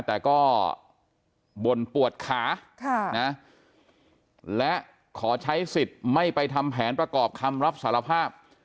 แต่ก็บ่นปวดขาและขอใช้สิทธิ์ไม่ไปทำแผนประกอบคำรับสารภาพ